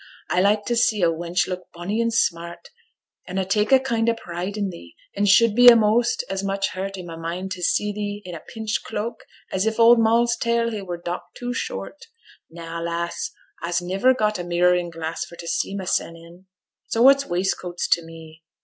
A like t' see a wench look bonny and smart, an' a tak' a kind o' pride in thee, an should be a'most as much hurt i' my mind to see thee i' a pinched cloak as if old Moll's tail here were docked too short. Na, lass, a'se niver got a mirroring glass for t' see mysen in, so what's waistcoats to me?